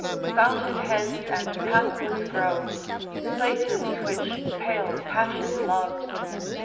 Fountain heads, and pathless groves, Places which pale passion loves!